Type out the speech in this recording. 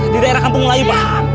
di daerah kampung melayu pak